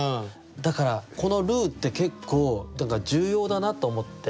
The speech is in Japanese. だからこのルーって結構重要だなと思って。